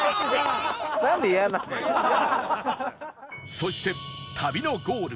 そして旅のゴール